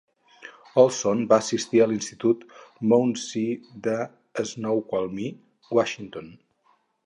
Olson va assistir a l'institut Mount Si de Snoqualmie, Washington.